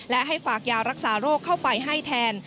และให้ฝากยารักษาโรคเข้าไปให้แทน